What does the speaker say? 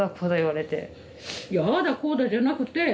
いやああだこうだじゃなくて。